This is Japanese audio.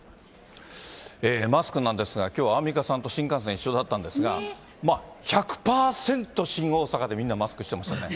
マスクなんですが、きょう、アンミカさんと新幹線一緒だったんですが、まあ、１００％新大阪でみんなマスクしてましたね。